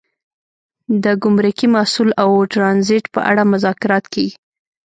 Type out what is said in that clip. د ګمرکي محصول او ټرانزیټ په اړه مذاکرات کیږي